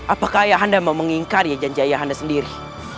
apakah ayah anda mau mengingkari janji ayah anda sendiri